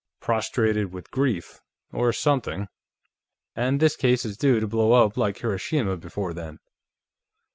Prostrated with grief. Or something. And this case is due to blow up like Hiroshima before then.